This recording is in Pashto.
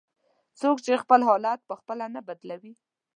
"څوک چې خپل حالت په خپله نه بدلوي".